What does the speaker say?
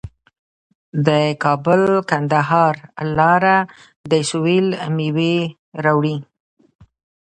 د کابل کندهار لاره د سویل میوې راوړي.